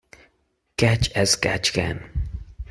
Catch as catch can.